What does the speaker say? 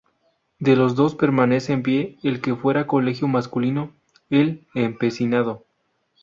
De los dos permanece en pie el que fuera colegio masculino "El Empecinado".